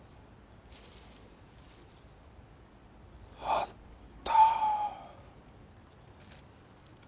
あった。